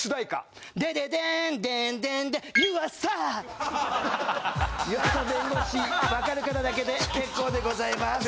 湯浅弁護士分かる方だけで結構でございます。